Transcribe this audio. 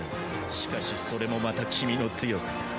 しかしそれもまた君の強さか。